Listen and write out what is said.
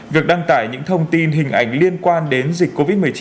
việc đăng tải những thông tin hình ảnh liên quan đến dịch covid một mươi chín